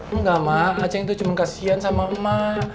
enggak ma aceng itu cuman kasihan sama emak